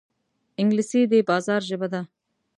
انګلیسي د بازار ژبه ده